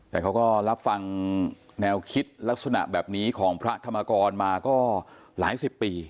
แต่เขาก็รับฟังแนวคิดลักษณะแบบนี้ของพระธรรมกรมาก็หลายสิบปี